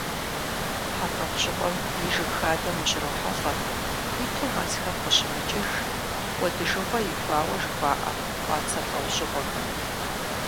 ХьэтӀохъущокъуэм и жыг хадэм ущрохьэлӀэ хуиту мэзхэм къыщымыкӀыж, кӀуэдыжыгъуэ ихуауэ жыхуаӀэ къуацэ лӀэужьыгъуэхэм.